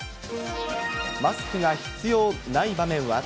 マスクが必要ない場面は？